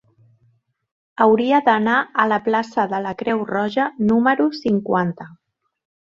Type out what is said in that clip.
Hauria d'anar a la plaça de la Creu Roja número cinquanta.